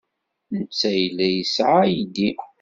Netta yella yesɛa aydi.